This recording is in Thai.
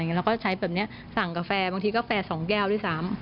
เราก็จะใช้แบบนี้สั่งกาแฟบางทีกาแฟ๒แก้วด้วยซ้ำ